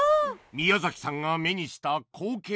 宮崎さんが目にした光景とは